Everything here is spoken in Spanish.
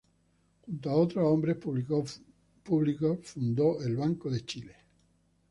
Junto a otros hombres públicos fundó el Banco de Chile.